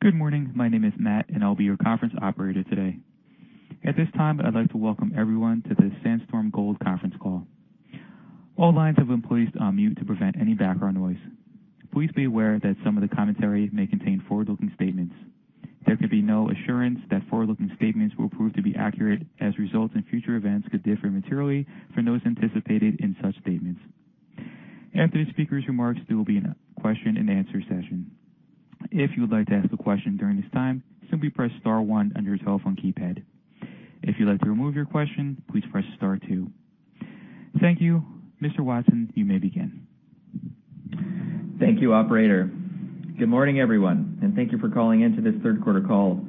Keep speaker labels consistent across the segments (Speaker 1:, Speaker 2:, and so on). Speaker 1: Good morning. My name is Matt, and I'll be your conference operator today. At this time, I'd like to welcome everyone to the Sandstorm Gold conference call. All lines have been placed on mute to prevent any background noise. Please be aware that some of the commentary may contain forward-looking statements. There can be no assurance that forward-looking statements will prove to be accurate, as results and future events could differ materially from those anticipated in such statements. After the speakers' remarks, there will be a question-and-answer session. If you would like to ask a question during this time, simply press star one on your telephone keypad. If you'd like to remove your question, please press star two. Thank you. Mr. Watson, you may begin.
Speaker 2: Thank you, operator. Good morning, everyone, and thank you for calling in to this third quarter call.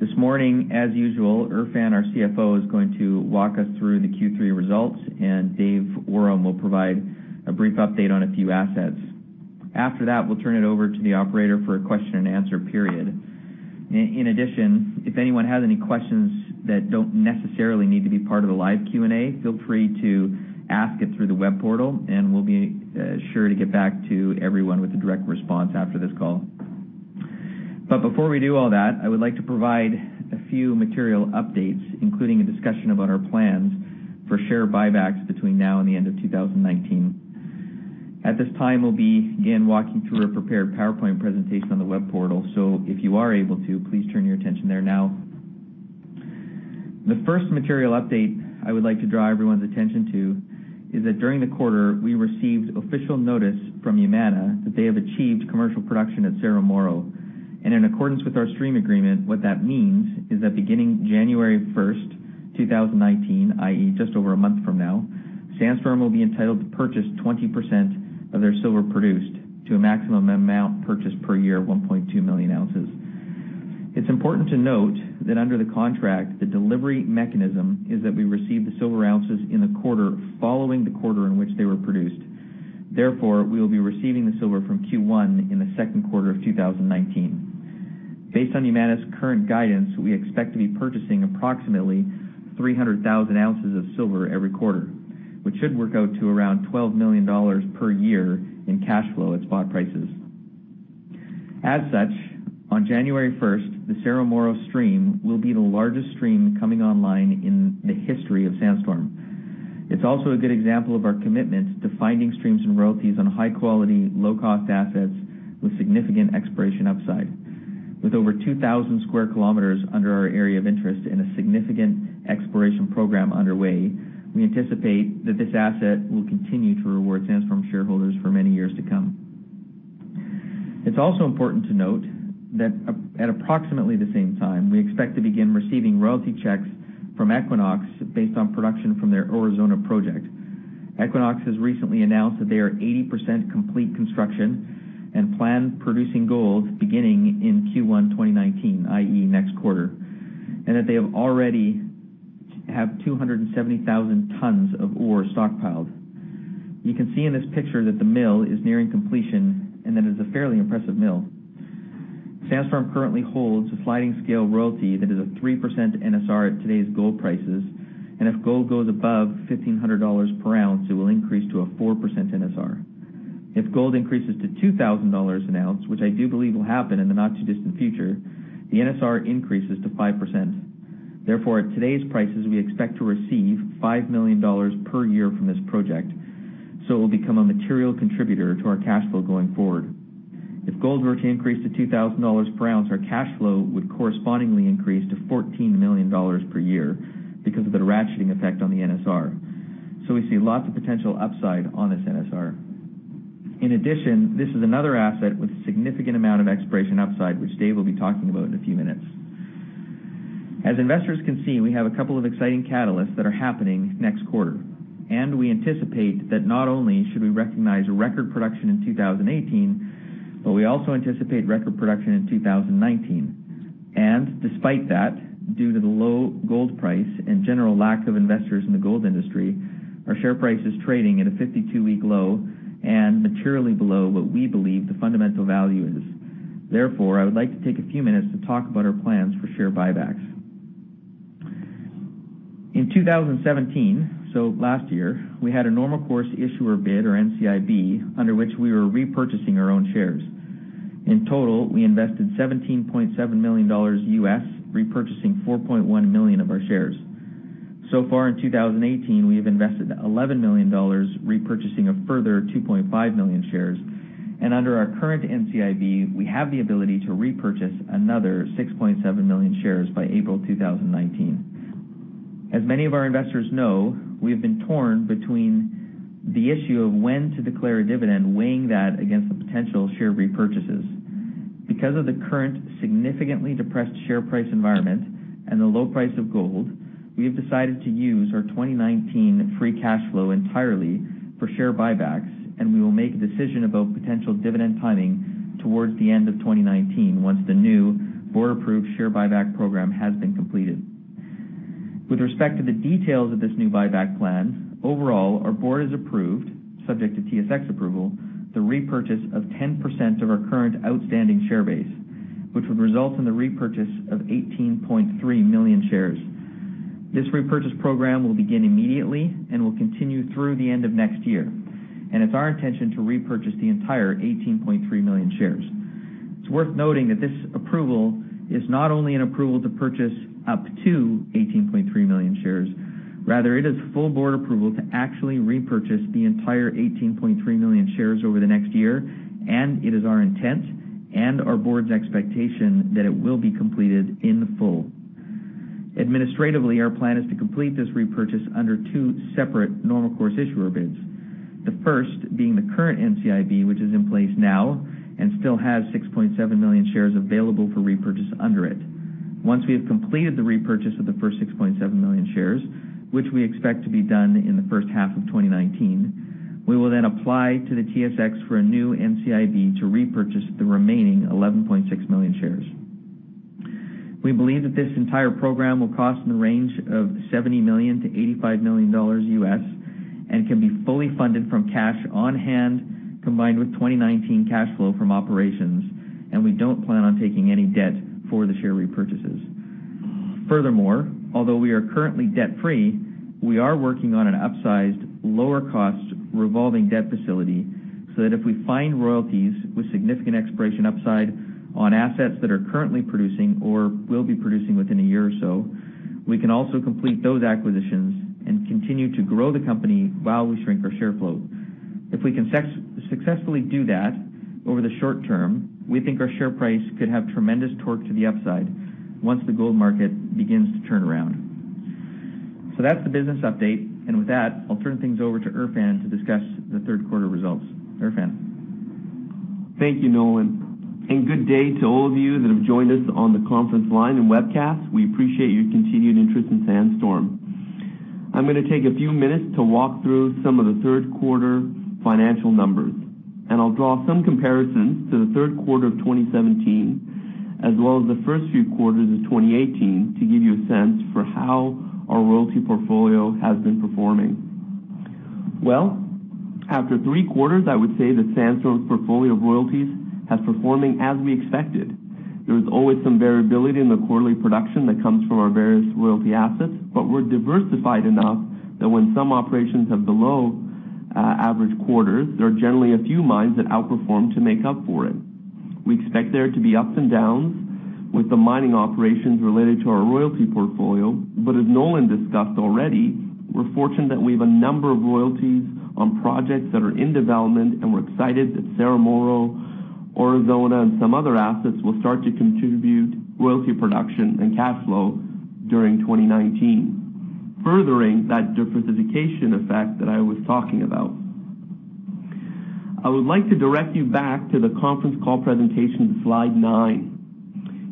Speaker 2: This morning, as usual, Erfan, our CFO, is going to walk us through the Q3 results, and David Awram will provide a brief update on a few assets. After that, we'll turn it over to the operator for a question-and-answer period. In addition, if anyone has any questions that don't necessarily need to be part of the live Q&A, feel free to ask it through the web portal, and we'll be sure to get back to everyone with a direct response after this call. Before we do all that, I would like to provide a few material updates, including a discussion about our plans for share buybacks between now and the end of 2019. At this time, we'll be, again, walking through a prepared PowerPoint presentation on the web portal. If you are able to, please turn your attention there now. The first material update I would like to draw everyone's attention to is that during the quarter, we received official notice from Yamana that they have achieved commercial production at Cerro Moro. In accordance with our stream agreement, what that means is that beginning January 1st, 2019, i.e., just over a month from now, Sandstorm will be entitled to purchase 20% of their silver produced to a maximum amount purchase per year of 1.2 million ounces. It's important to note that under the contract, the delivery mechanism is that we receive the silver ounces in the quarter following the quarter in which they were produced. Therefore, we will be receiving the silver from Q1 in the second quarter of 2019. Based on Yamana's current guidance, we expect to be purchasing approximately 300,000 ounces of silver every quarter, which should work out to around 12 million dollars per year in cash flow at spot prices. As such, on January 1st, the Cerro Moro stream will be the largest stream coming online in the history of Sandstorm. It's also a good example of our commitment to finding streams and royalties on high-quality, low-cost assets with significant exploration upside. With over 2,000 sq km under our area of interest and a significant exploration program underway, we anticipate that this asset will continue to reward Sandstorm shareholders for many years to come. It's also important to note that at approximately the same time, we expect to begin receiving royalty checks from Equinox based on production from their Aurizona project. Equinox has recently announced that they are 80% complete construction and plan producing gold beginning in Q1 2019, i.e., next quarter, and that they already have 270,000 tons of ore stockpiled. You can see in this picture that the mill is nearing completion and that it is a fairly impressive mill. Sandstorm currently holds a sliding scale royalty that is a 3% NSR at today's gold prices, and if gold goes above 1,500 dollars per ounce, it will increase to a 4% NSR. If gold increases to 2,000 dollars an ounce, which I do believe will happen in the not-too-distant future, the NSR increases to 5%. Therefore, at today's prices, we expect to receive 5 million dollars per year from this project. It will become a material contributor to our cash flow going forward. If gold were to increase to 2,000 dollars per ounce, our cash flow would correspondingly increase to 14 million dollars per year because of the ratcheting effect on the NSR. We see lots of potential upside on this NSR. In addition, this is another asset with a significant amount of exploration upside, which Dave will be talking about in a few minutes. As investors can see, we have a couple of exciting catalysts that are happening next quarter, and we anticipate that not only should we recognize record production in 2018, but we also anticipate record production in 2019. Despite that, due to the low gold price and general lack of investors in the gold industry, our share price is trading at a 52-week low and materially below what we believe the fundamental value is. Therefore, I would like to take a few minutes to talk about our plans for share buybacks. In 2017, so last year, we had a normal course issuer bid, or NCIB, under which we were repurchasing our own shares. In total, we invested $17.7 million, repurchasing 4.1 million of our shares. Far in 2018, we have invested $11 million, repurchasing a further 2.5 million shares. Under our current NCIB, we have the ability to repurchase another 6.7 million shares by April 2019. As many of our investors know, we have been torn between the issue of when to declare a dividend, weighing that against the potential share repurchases. Because of the current significantly depressed share price environment and the low price of gold, we have decided to use our 2019 free cash flow entirely for share buybacks, and we will make a decision about potential dividend timing towards the end of 2019 once the new board-approved share buyback program has been completed. With respect to the details of this new buyback plan, overall, our board has approved, subject to TSX approval, the repurchase of 10% of our current outstanding share base, which would result in the repurchase of 18.3 million shares. This repurchase program will begin immediately and will continue through the end of next year, and it's our intention to repurchase the entire 18.3 million shares. It's worth noting that this approval is not only an approval to purchase up to 18.3 million shares, rather it is full board approval to actually repurchase the entire 18.3 million shares over the next year, and it is our intent and our board's expectation that it will be completed in full. Administratively, our plan is to complete this repurchase under two separate normal course issuer bids. The first being the current NCIB, which is in place now and still has 6.7 million shares available for repurchase under it. Once we have completed the repurchase of the first 6.7 million shares, which we expect to be done in the first half of 2019, we will then apply to the TSX for a new NCIB to repurchase the remaining 11.6 million shares. We believe that this entire program will cost in the range of $70 million-$85 million. Can be fully funded from cash on hand, combined with 2019 cash flow from operations, and we don't plan on taking any debt for the share repurchases. Furthermore, although we are currently debt-free, we are working on an upsized, lower cost revolving debt facility so that if we find royalties with significant exploration upside on assets that are currently producing or will be producing within a year or so, we can also complete those acquisitions and continue to grow the company while we shrink our share float. If we can successfully do that over the short term, we think our share price could have tremendous torque to the upside once the gold market begins to turn around. That's the business update, and with that, I'll turn things over to Erfan to discuss the third quarter results. Erfan.
Speaker 3: Thank you, Nolan, and good day to all of you that have joined us on the conference line and webcast. We appreciate your continued interest in Sandstorm. I'm going to take a few minutes to walk through some of the third quarter financial numbers, and I'll draw some comparisons to the third quarter of 2017 as well as the first few quarters of 2018 to give you a sense for how our royalty portfolio has performing. Well, after three quarters, I would say that Sandstorm's portfolio of royalties has performing as we expected. There is always some variability in the quarterly production that comes from our various royalty assets, but we're diversified enough that when some operations have below average quarters, there are generally a few mines that outperform to make up for it. As Nolan discussed already, we're fortunate that we have a number of royalties on projects that are in development, and we're excited that Cerro Moro, Aurizona, and some other assets will start to contribute royalty production and cash flow during 2019, furthering that diversification effect that I was talking about. I would like to direct you back to the conference call presentation, slide nine.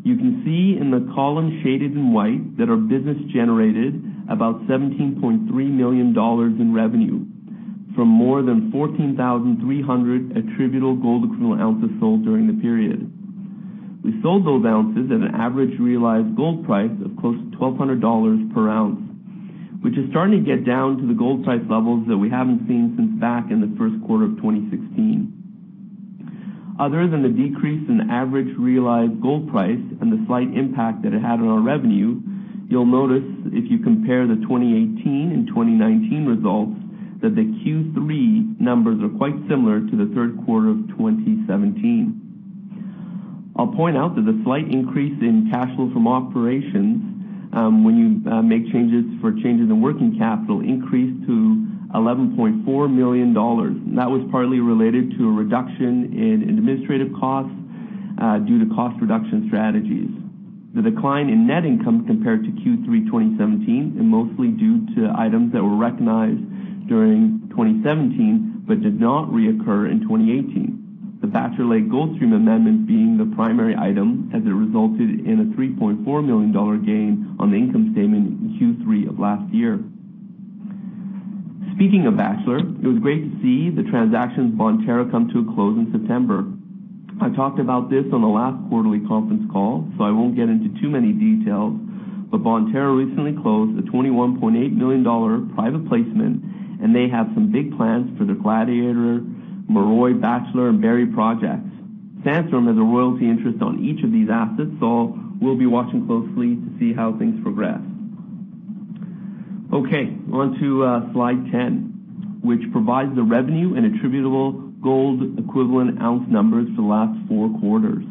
Speaker 3: You can see in the column shaded in white that our business generated about 17.3 million dollars in revenue from more than 14,300 attributable gold equivalent ounces sold during the period. We sold those ounces at an average realized gold price of close to 1,200 dollars per ounce, which is starting to get down to the gold price levels that we haven't seen since back in the first quarter of 2016. Other than the decrease in average realized gold price and the slight impact that it had on our revenue, you'll notice if you compare the 2018 and 2019 results that the Q3 numbers are quite similar to the third quarter of 2017. I'll point out that the slight increase in cash flow from operations when you make changes for changes in working capital increased to 11.4 million dollars. That was partly related to a reduction in administrative costs due to cost reduction strategies. The decline in net income compared to Q3 2017 is mostly due to items that were recognized during 2017 but did not reoccur in 2018. The Bachelor Lake gold stream amendment being the primary item, as it resulted in a 3.4 million dollar gain on the income statement in Q3 of last year. Speaking of Bachelor, it was great to see the transactions Bonterra come to a close in September. I talked about this on the last quarterly conference call, so I won't get into too many details, but Bonterra recently closed a 21.8 million dollar private placement, and they have some big plans for the Gladiator, Moroy, Bachelor, and Barry projects. Sandstorm has a royalty interest on each of these assets, so we'll be watching closely to see how things progress. Okay, on to slide 10, which provides the revenue and attributable gold equivalent ounce numbers for the last four quarters.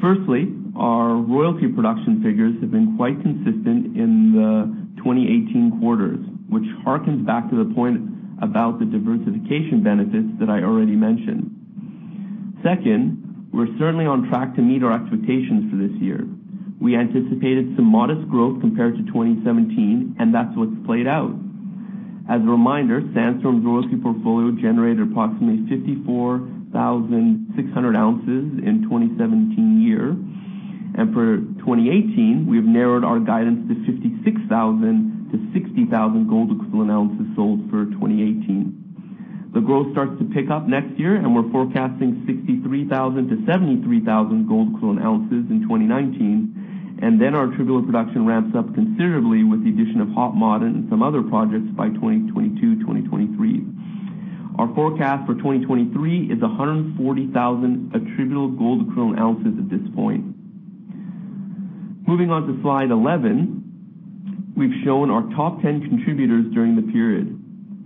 Speaker 3: Firstly, our royalty production figures have been quite consistent in the 2018 quarters, which harkens back to the point about the diversification benefits that I already mentioned. Second, we're certainly on track to meet our expectations for this year. We anticipated some modest growth compared to 2017, and that's what's played out. As a reminder, Sandstorm's royalty portfolio generated approximately 54,600 ounces in 2017 year. For 2018, we have narrowed our guidance to 56,000-60,000 gold equivalent ounces sold for 2018. The growth starts to pick up next year. We're forecasting 63,000-73,000 gold equivalent ounces in 2019. Then our attributable production ramps up considerably with the addition of Hod Maden and some other projects by 2022, 2023. Our forecast for 2023 is 140,000 attributable gold equivalent ounces at this point. Moving on to slide 11, we've shown our top 10 contributors during the period.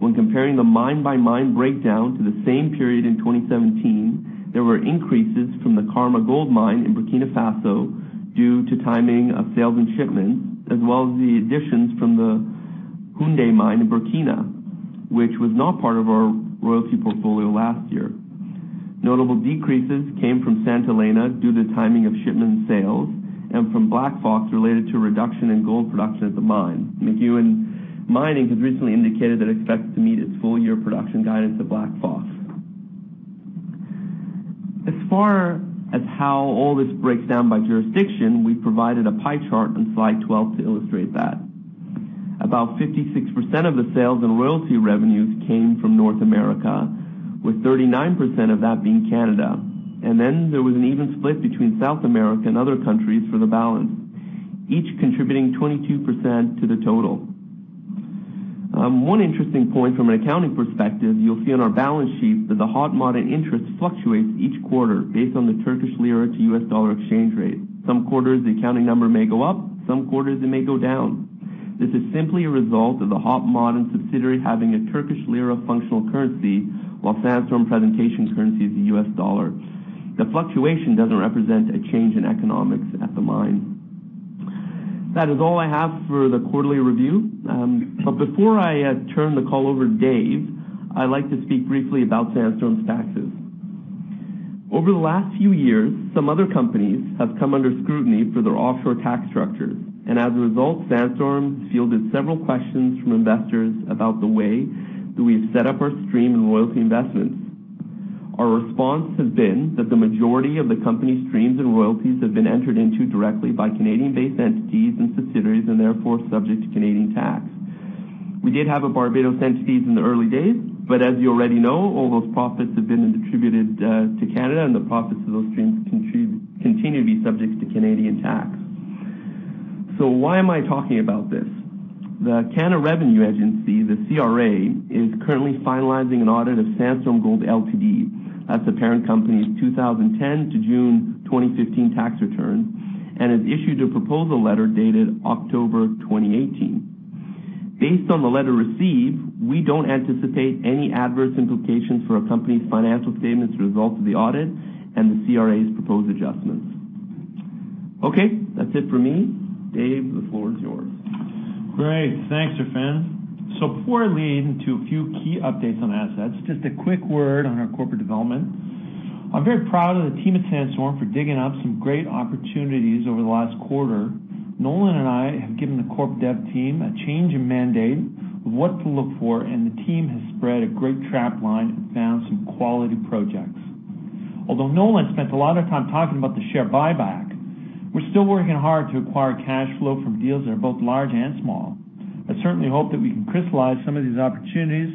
Speaker 3: When comparing the mine-by-mine breakdown to the same period in 2017, there were increases from the Karma Gold Mine in Burkina Faso due to timing of sales and shipments, as well as the additions from the Houndé mine in Burkina, which was not part of our royalty portfolio last year. Notable decreases came from Santa Elena due to the timing of shipment sales and from Black Fox related to a reduction in gold production at the mine. McEwen Mining has recently indicated that it expects to meet its full-year production guidance at Black Fox. As far as how all this breaks down by jurisdiction, we've provided a pie chart on slide 12 to illustrate that. About 56% of the sales and royalty revenues came from North America, with 39% of that being Canada. There was an even split between South America and other countries for the balance, each contributing 22% to the total. One interesting point from an accounting perspective, you'll see on our balance sheet that the Hod Maden interest fluctuates each quarter based on the Turkish lira to U.S. dollar exchange rate. Some quarters, the accounting number may go up, some quarters it may go down. This is simply a result of the Hod Maden and subsidiary having a Turkish lira functional currency, while Sandstorm presentation currency is the U.S. dollar. The fluctuation doesn't represent a change in economics at the mine. That is all I have for the quarterly review. Before I turn the call over to Dave, I'd like to speak briefly about Sandstorm's taxes. Over the last few years, some other companies have come under scrutiny for their offshore tax structures, and as a result, Sandstorm fielded several questions from investors about the way that we've set up our stream and royalty investments. Our response has been that the majority of the company's streams and royalties have been entered into directly by Canadian-based entities and subsidiaries, and therefore subject to Canadian tax. We did have Barbados entities in the early days, but as you already know, all those profits have been attributed to Canada and the profits of those streams continue to be subject to Canadian tax. Why am I talking about this? The Canada Revenue Agency, the CRA, is currently finalizing an audit of Sandstorm Gold Ltd., that's the parent company's 2010 to June 2015 tax return, and has issued a proposal letter dated October 2018. Based on the letter received, we don't anticipate any adverse implications for our company's financial statements result of the audit and the CRA's proposed adjustments. Okay, that's it for me. Dave, the floor is yours.
Speaker 4: Great. Thanks, Erfan. Before I lead into a few key updates on assets, just a quick word on our corporate development. I'm very proud of the team at Sandstorm for digging up some great opportunities over the last quarter. Nolan and I have given the corp dev team a change in mandate of what to look for, and the team has spread a great trap line and found some quality projects. Although Nolan spent a lot of time talking about the share buyback, we're still working hard to acquire cash flow from deals that are both large and small. I certainly hope that we can crystallize some of these opportunities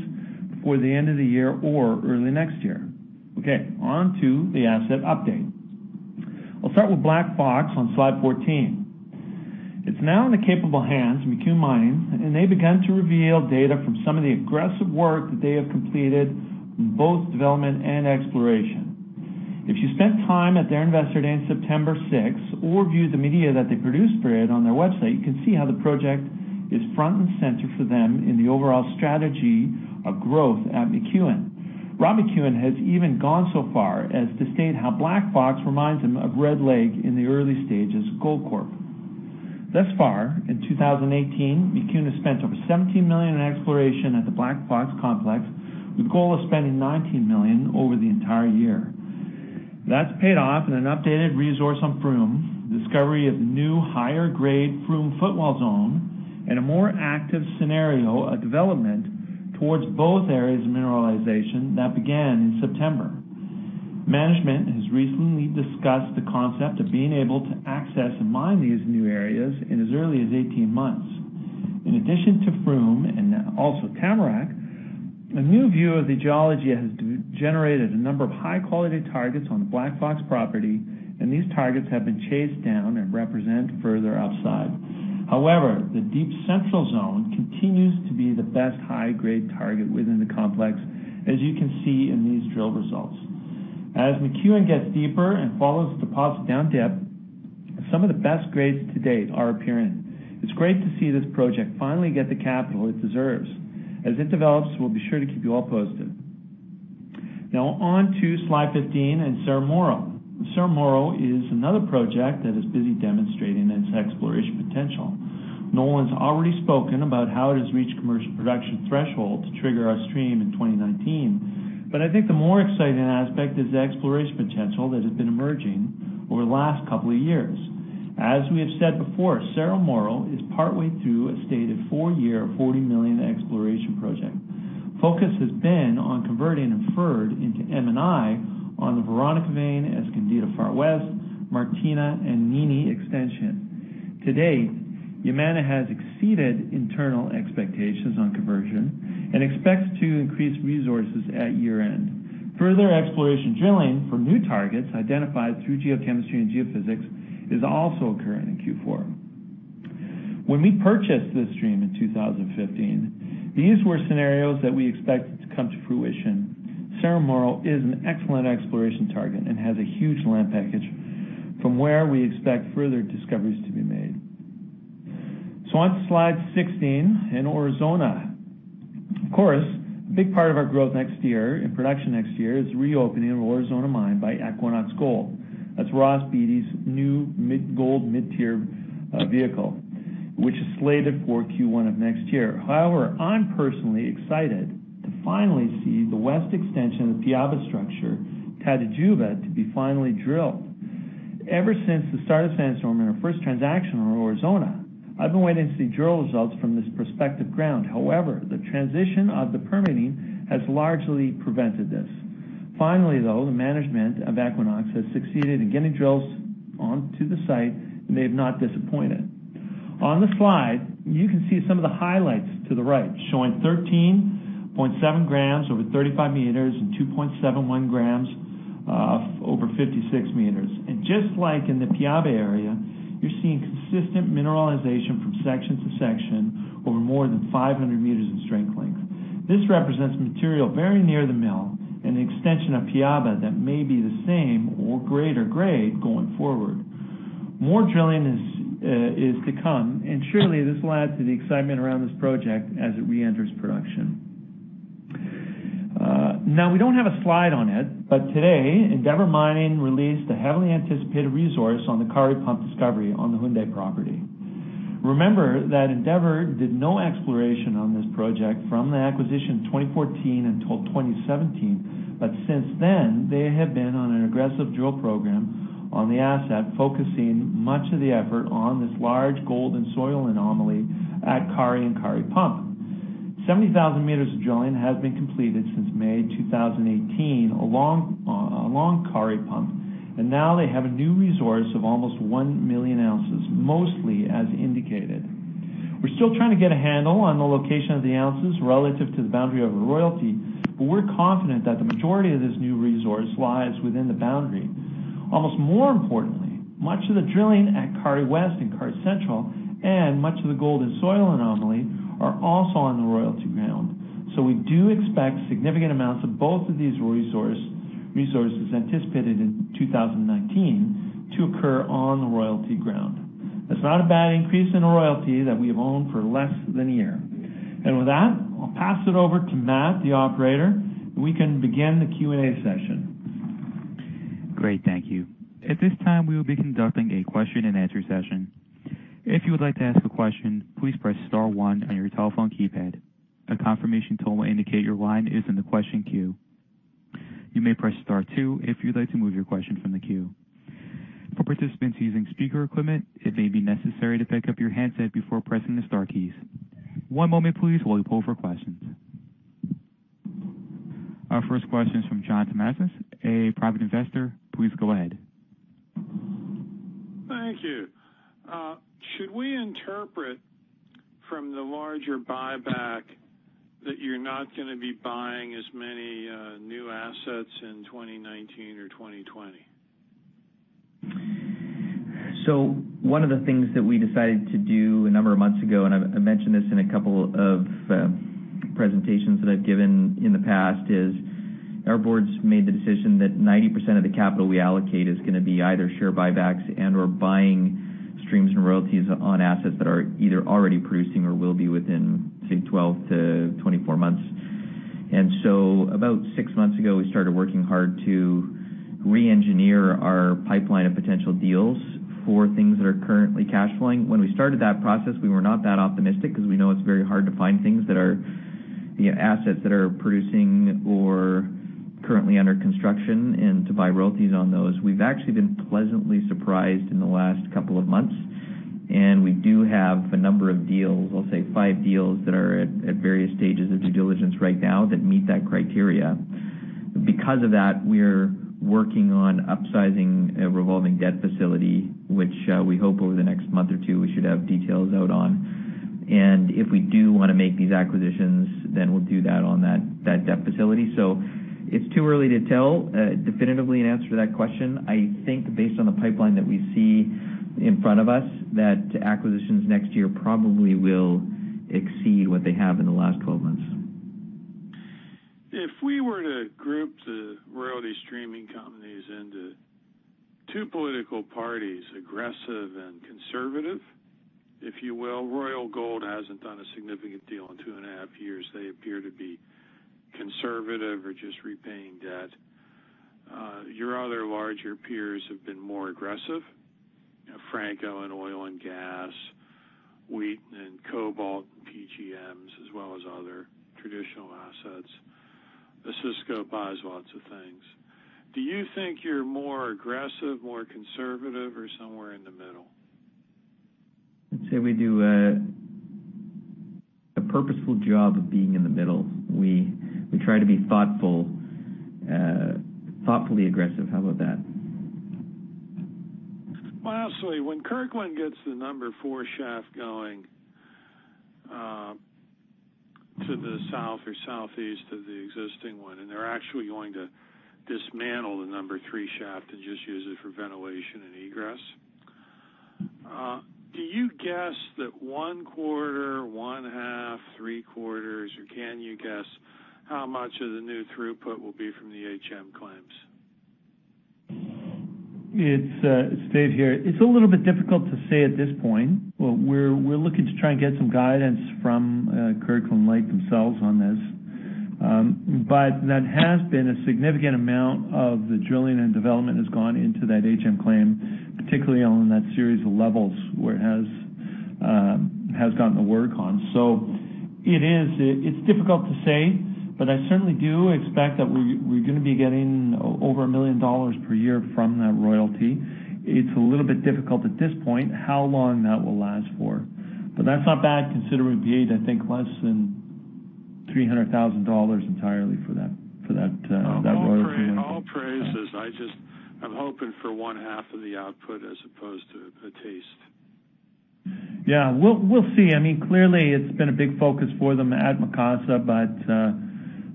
Speaker 4: before the end of the year or early next year. Okay, on to the asset update. I'll start with Black Fox on slide 14. It's now in the capable hands of McEwen Mining, and they've begun to reveal data from some of the aggressive work that they have completed in both development and exploration. If you spent time at their investor day on September 6th or viewed the media that they produced for it on their website, you can see how the project is front and center for them in the overall strategy of growth at McEwen. Rob McEwen has even gone so far as to state how Black Fox reminds him of Red Lake in the early stages of Goldcorp. Thus far, in 2018, McEwen has spent over 17 million in exploration at the Black Fox complex, with goal of spending 19 million over the entire year. That's paid off in an updated resource on Froome, the discovery of the new higher-grade Froome footwall zone, and a more active scenario of development towards both areas of mineralization that began in September. Management has recently discussed the concept of being able to access and mine these new areas in as early as 18 months. In addition to Froome and now also Tamarack, a new view of the geology has generated a number of high-quality targets on the Black Fox property, and these targets have been chased down and represent further upside. However, the Deep Central Zone continues to be the best high-grade target within the complex, as you can see in these drill results. As McEwen gets deeper and follows the deposits down dip, some of the best grades to date are appearing. It's great to see this project finally get the capital it deserves. As it develops, we'll be sure to keep you all posted. Now on to slide 15 and Cerro Moro. Cerro Moro is another project that is busy demonstrating its exploration potential. Nolan's already spoken about how it has reached commercial production threshold to trigger our stream in 2019, but I think the more exciting aspect is the exploration potential that has been emerging over the last couple of years. As we have said before, Cerro Moro is partway through a stated four-year, 40 million exploration project. Focus has been on converting inferred into M&I on the Veronica vein, Escondida Far West, Martina, and Nini Extension. To date, Yamana has exceeded internal expectations on conversion and expects to increase resources at year-end. Further exploration drilling for new targets identified through geochemistry and geophysics is also occurring in Q4. When we purchased this stream in 2015, these were scenarios that we expected to come to fruition. Cerro Moro is an excellent exploration target and has a huge land package from where we expect further discoveries to be made. On to slide 16 in Aurizona. Of course, a big part of our growth next year in production next year is reopening of Aurizona Mine by Equinox Gold. That's Ross Beaty's new mid-gold, mid-tier vehicle, which is slated for Q1 of next year. However, I'm personally excited to finally see the west extension of the Piaba structure, Tatajuba, to be finally drilled. Ever since the start of Sandstorm in our first transaction on Aurizona, I've been waiting to see drill results from this prospective ground. However, the transition of the permitting has largely prevented this. Finally, though, the management of Equinox has succeeded in getting drills onto the site, they have not disappointed. On the slide, you can see some of the highlights to the right, showing 13.7 g over 35 m and 2.71 g over 56 m. Just like in the Piaba area, you're seeing consistent mineralization from section to section over more than 500 m in strike length. This represents material very near the mill and the extension of Piaba that may be the same or greater grade going forward. More drilling is to come, surely this will add to the excitement around this project as it reenters production. We don't have a slide on it, but today, Endeavour Mining released a heavily anticipated resource on the Kari Pump discovery on the Houndé property. Remember that Endeavour did no exploration on this project from the acquisition in 2014 until 2017. Since then, they have been on an aggressive drill program on the asset, focusing much of the effort on this large gold and soil anomaly at Kari and Kari Pump. 70,000 m of drilling has been completed since May 2018 along Kari Pump. Now they have a new resource of almost one million ounces, mostly as indicated. We're still trying to get a handle on the location of the ounces relative to the boundary of our royalty, we're confident that the majority of this new resource lies within the boundary. Almost more importantly, much of the drilling at Kari West and Kari Center and much of the gold and soil anomaly are also on the royalty ground. We do expect significant amounts of both of these resources anticipated in 2019 to occur on the royalty ground. That's not a bad increase in a royalty that we've owned for less than a year. With that, I'll pass it over to Matt, the Conference Operator, and we can begin the Q&A session.
Speaker 1: Great, thank you. At this time, we will be conducting a question-and-answer session. If you would like to ask a question, please press star one on your telephone keypad. A confirmation tone will indicate your line is in the question queue. You may press star two if you'd like to move your question from the queue. For participants using speaker equipment, it may be necessary to pick up your handset before pressing the star keys. One moment please while we poll for questions. Our first question is from John Tomasic, a private investor. Please go ahead.
Speaker 5: Thank you. Should we interpret from the larger buyback that you're not going to be buying as many new assets in 2019 or 2020?
Speaker 2: One of the things that we decided to do a number of months ago, and I mentioned this in a couple of presentations that I've given in the past, is our boards made the decision that 90% of the capital we allocate is going to be either share buybacks and/or buying streams and royalties on assets that are either already producing or will be within, say, 12-24 months. About six months ago, we started working hard to re-engineer our pipeline of potential deals for things that are currently cash flowing. When we started that process, we were not that optimistic because we know it's very hard to find assets that are producing or currently under construction and to buy royalties on those. We've actually been pleasantly surprised in the last couple of months, we do have a number of deals, I'll say five deals, that are at various stages of due diligence right now that meet that criteria. Because of that, we're working on upsizing a revolving debt facility, which we hope over the next month or two we should have details out on. If we do want to make these acquisitions, we'll do that on that debt facility. It's too early to tell definitively an answer to that question. I think based on the pipeline that we see in front of us, that acquisitions next year probably will exceed what they have in the last 12 months.
Speaker 5: If we were to group the royalty streaming companies into two political parties, aggressive and conservative, if you will, Royal Gold hasn't done a significant deal in two and a half years. They appear to be conservative or just repaying debt. Your other larger peers have been more aggressive. Franco in oil and gas, Wheaton in cobalt and PGMs, as well as other traditional assets. Osisko buys lots of things. Do you think you're more aggressive, more conservative, or somewhere in the middle?
Speaker 2: I'd say we do a purposeful job of being in the middle. We try to be thoughtfully aggressive. How about that?
Speaker 5: Honestly, when Kirkland Lake Gold gets the number four shaft going to the south or southeast of the existing one, and they're actually going to dismantle the number three shaft and just use it for ventilation and egress. Do you guess that one quarter, one half, three quarters, or can you guess how much of the new throughput will be from the HM claims?
Speaker 4: It's Dave here. It's a little bit difficult to say at this point. We're looking to try and get some guidance from Kirkland Lake Gold themselves on this. That has been a significant amount of the drilling and development has gone into that HM claim, particularly on that series of levels where it has gotten the work on. It's difficult to say, but I certainly do expect that we're going to be getting over 1 million dollars per year from that royalty. It's a little bit difficult at this point how long that will last for. That's not bad considering we paid, I think, less than 300,000 dollars entirely for that royalty.
Speaker 5: All praises. I'm hoping for one half of the output as opposed to a taste.
Speaker 4: Yeah. We'll see. Clearly it's been a big focus for them at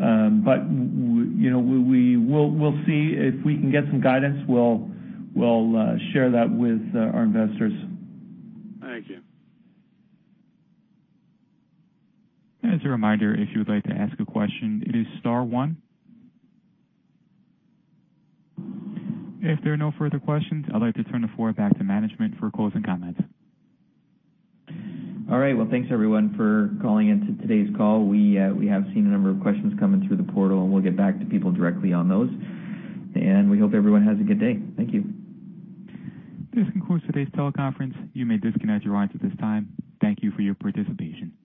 Speaker 4: Macassa, we'll see if we can get some guidance. We'll share that with our investors.
Speaker 5: Thank you.
Speaker 1: As a reminder, if you would like to ask a question, it is star one. If there are no further questions, I'd like to turn the floor back to management for closing comments.
Speaker 2: All right. Well, thanks everyone for calling in to today's call. We have seen a number of questions coming through the portal, we'll get back to people directly on those. We hope everyone has a good day. Thank you.
Speaker 1: This concludes today's teleconference. You may disconnect your lines at this time. Thank you for your participation.